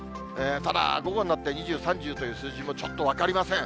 ただ、午後になって、２０、３０という数字もちょっと分かりません。